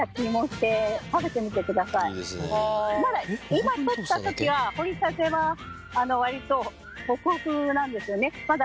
今とった時は掘りたては割とホクホクなんですよね。